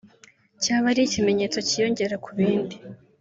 cyaba ari ikimenyetso kiyongera ku bindi